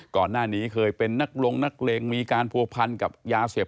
ก่อนหน้านี้เคยเป็นนักลงนักเลงมีการผัวพันกับยาเสพ